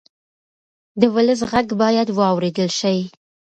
د ولس غږ باید واورېدل شي.